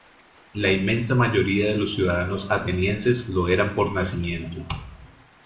La inmensa mayoría de los ciudadanos atenienses lo eran por nacimiento.